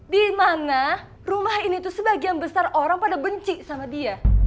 di mana rumah ini itu sebagian besar orang pada benci sama dia